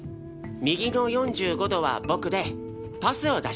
右の４５度は僕でパスを出します。